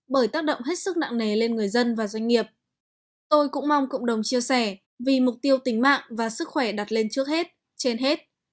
bởi tác động hết sức nặng nề lên người dân và doanh nghiệp tôi cũng mong cộng đồng chia sẻ vì mục tiêu tính mạng và sức khỏe đặt lên trước hết trên hết